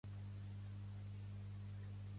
Ni ara ni mai sere espanyola.